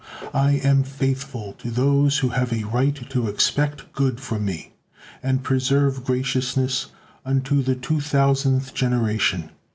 I am Faithful to those who have a right to expect good from Me; and preserve graciousness unto the two thousandth generation.